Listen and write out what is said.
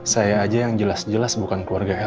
saya aja yang jelas jelas bukan keluarga